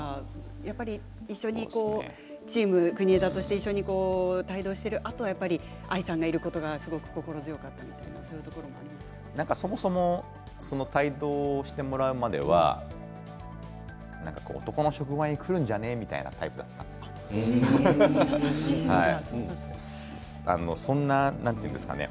やっぱり一緒にチーム国枝として帯同している愛さんがいることが心強かったそもそも帯同してもらう前までは男の職場に来るんじゃねえみたいなタイプだったんですよ。なんて言うんですかね